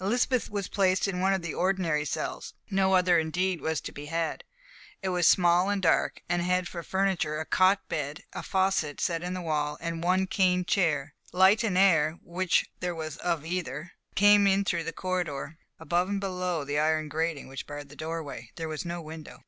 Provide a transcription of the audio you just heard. Elizabeth was placed in one of the ordinary cells; no other indeed was to be had. It was small and dark, and had for furniture a cot bed, a faucet set in the wall, and one cane chair. Light and air what there was of either came in through the corridor, above and below the iron grating which barred the doorway. There was no window.